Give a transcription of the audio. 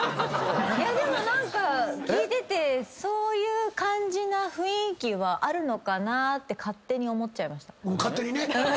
でも何か聞いててそういう感じな雰囲気はあるのかなって勝手に思っちゃいました。